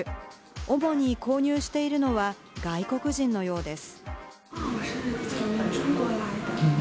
主に購入しているのは外国人のようです。